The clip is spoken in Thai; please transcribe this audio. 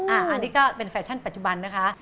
อันนี้ก็เป็นแฟชั่นปัจจุบันนะคะ